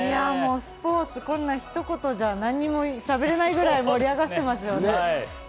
スポーツ、ひと言じゃ何もしゃべれないくらい盛り上がってますよね。